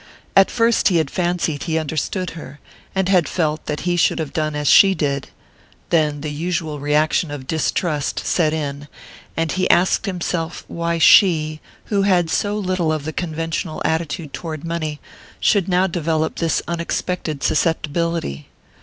At first he had fancied he understood her, and had felt that he should have done as she did; then the usual reaction of distrust set in, and he asked himself why she, who had so little of the conventional attitude toward money, should now develop this unexpected susceptibility.